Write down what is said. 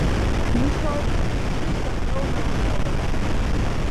მუშაობდა თბილისის სატყეო მეურნეობაში.